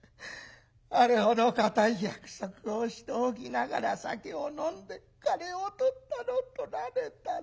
あれほど固い約束をしておきながら酒を飲んで金をとったのとられたのと。